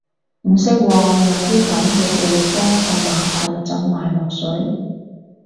唔識喎，有啲噉嘅地方個碼頭浸埋落水？